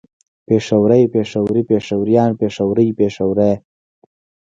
پېښوری پېښوري پېښوريان پېښورۍ پېښورې